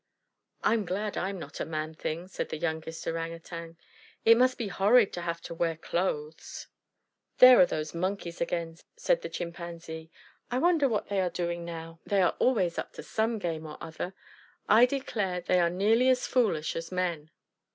"I'm glad I'm not a man thing," said the youngest Orang Utang. "It must be horrid to have to wear clothes." "There are those Monkeys again," said the Chimpanzee. "I wonder what they are doing now. They are always up to some game or other. I declare they are nearly as foolish as men."